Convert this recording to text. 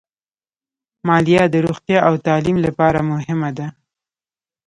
مالیه د روغتیا او تعلیم لپاره مهمه ده.